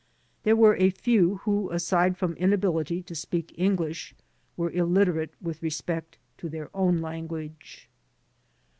There were a few who aside from inability to speak English were illiterate with respect to their own language.